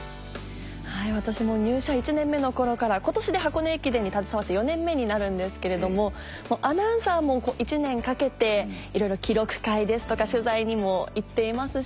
私も入社１年目の頃から今年で箱根駅伝に携わって４年目になるんですけれどもアナウンサーも１年かけていろいろ記録会ですとか取材にも行っていますし。